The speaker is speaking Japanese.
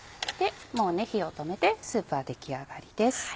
火を止めてスープは出来上がりです。